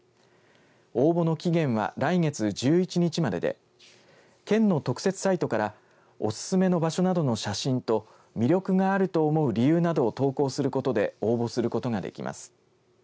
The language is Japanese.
応募の期限は来月１１日までで県の特設サイトからおすすめの場所などの写真と魅力があると思う理由などを投稿することで応募することができます。